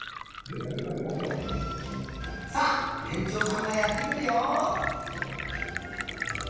さあねんちょうさんがやってくるよ！